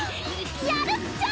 やるっちゃ！